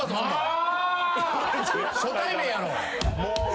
もう！